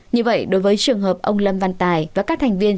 như vậy đối với trường hợp ông lâm văn tài và các thành viên